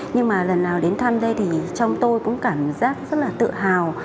nhưng mà lần nào đến thăm đây thì trong tôi cũng cảm giác rất là tự hào